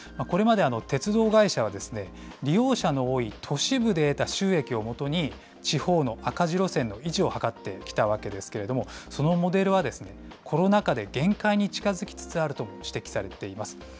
これまで鉄道会社は、利用者の多い都市部で得た収益をもとに、地方の赤字路線の維持を図ってきたわけですけれども、そのモデルは、コロナ禍で限界に近付きつつあるとも指摘されています。